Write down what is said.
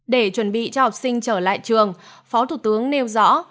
để chuẩn bị cho học sinh trở lại trường phó thủ tướng nêu rõ